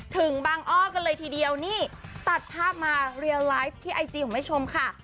ถึงบางอ้อกันเลยทีเดียวนี่ตัดภาพมาเรียวไลฟ์ที่ไอจีของแม่ชมค่ะ